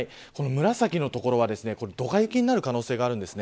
紫の所はドカ雪になる可能性があります。